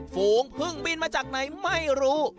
ภูมิภูมิบินมาจากไหนไม่รู้